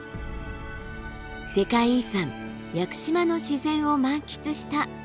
世界遺産屋久島の自然を満喫した山旅でした。